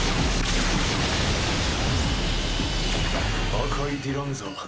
赤いディランザ。